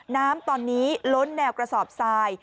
น้ำตอนนี้ล้นแนวกระสอบทราย